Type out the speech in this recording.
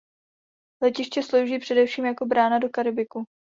Letiště slouží především jako brána do Karibiku.